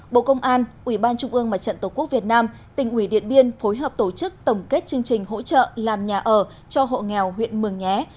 bộ công an ủy ban trung ương mặt trận tổ quốc việt nam tỉnh ủy điện biên phối hợp tổ chức tổng kết chương trình hỗ trợ làm nhà ở cho hộ nghèo huyện mường nhé